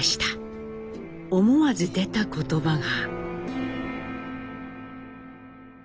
思わず出た言葉が。